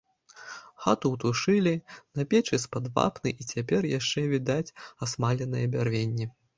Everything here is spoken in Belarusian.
Хату ўтушылі, на печы з-пад вапны і цяпер яшчэ відаць асмаленае бярвенне.